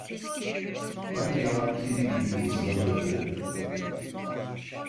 Hani yavru kedi gibi vızlanırdı.